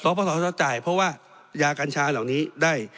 จ๊อบพ่อพ่อพ่อจ๊อบจ่ายเพราะว่ายากัญชาเหล่านี้ได้